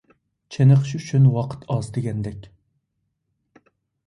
چېنىقىش ئۈچۈن ۋاقىت ئاز دېگەندەك.